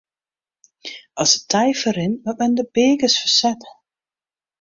As it tij ferrint moat men de beakens fersette.